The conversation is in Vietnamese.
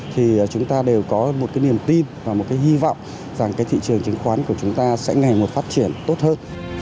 thì chúng ta đều có một cái niềm tin và một cái hy vọng rằng cái thị trường chứng khoán của chúng ta sẽ ngày một phát triển tốt hơn